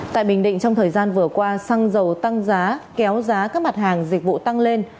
tại bình định trong thời gian vừa qua xăng dầu tăng giá kéo giá các mặt hàng dịch vụ tăng lên